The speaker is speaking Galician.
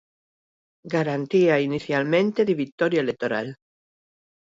Garantía inicialmente de vitoria electoral.